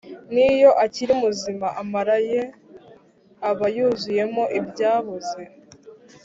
N’iyo akiri muzima, amara ye aba yuzuyemo ibyaboze